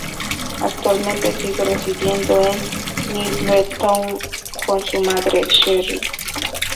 Actualmente sigue residiendo en Middletown, con su madre Sherri.